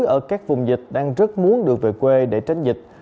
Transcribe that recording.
ở các vùng dịch đang rất muốn được về quê để tránh dịch